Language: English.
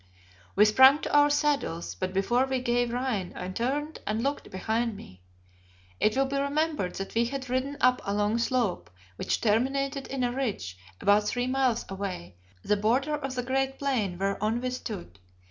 We sprang to our saddles, but before we gave rein I turned and looked behind me. It will be remembered that we had ridden up a long slope which terminated in a ridge, about three miles away, the border of the great plain whereon we stood.